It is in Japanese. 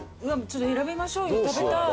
選びましょうよ食べたい。